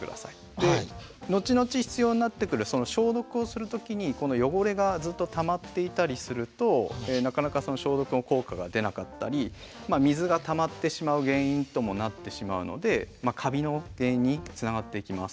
で後々必要になってくる消毒をする時にこの汚れがずっとたまっていたりするとなかなかその消毒の効果が出なかったり水がたまってしまう原因ともなってしまうのでカビの原因につながっていきます。